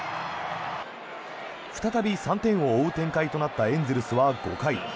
再び３点を追う展開となったエンゼルスは５回。